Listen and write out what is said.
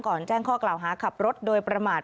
แจ้งข้อกล่าวหาขับรถโดยประมาท